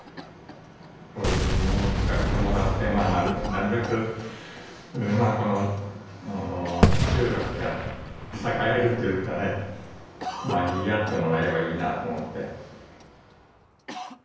こういうものを使ってもらってなるべくこの集落が栄えるっていうかねにぎわってもらえればいいなと思って。